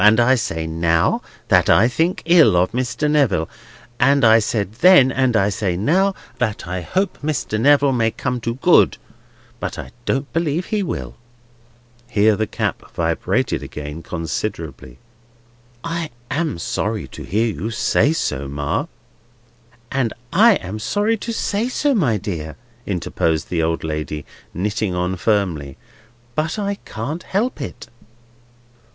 And I say now, that I think ill of Mr. Neville. And I said then, and I say now, that I hope Mr. Neville may come to good, but I don't believe he will." Here the cap vibrated again considerably. "I am sorry to hear you say so, Ma—" "I am sorry to say so, my dear," interposed the old lady, knitting on firmly, "but I can't help it."